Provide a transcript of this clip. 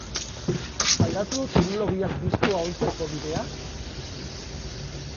Aldatu du teknologiak diskoa ontzeko bidea?